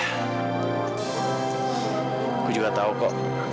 aku juga tahu ko